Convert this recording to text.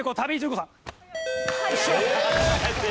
よっしゃ！